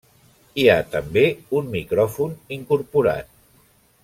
Hi ha també un micròfon incorporat.